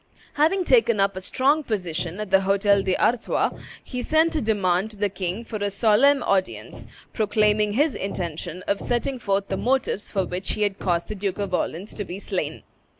Having taken up a strong position at the Hotel d'Artois, he sent a demand to the king for a solemn audience, proclaiming his intention of setting forth the motives for which he had caused the Duke of Orleans to be slain.